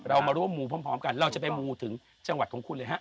เรามาร่วมมูพร้อมกันเราจะไปมูถึงจังหวัดของคุณเลยฮะ